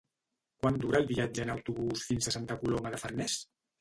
Quant dura el viatge en autobús fins a Santa Coloma de Farners?